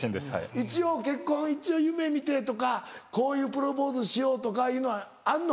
一応結婚夢見てとかこういうプロポーズしようとかいうのはあんの？